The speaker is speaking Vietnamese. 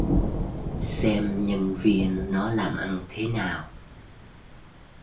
Xem nhân viên nó làm ăn thế nào